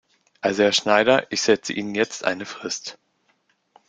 Also Herr Schneider, ich setze Ihnen jetzt eine Frist.